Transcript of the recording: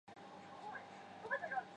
刘怦生于唐玄宗开元十五年。